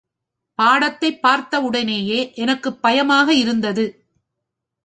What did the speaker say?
பாடத்தைப் பார்த்தவுடனேயே எனக்குப் பயமாக இருந்தது.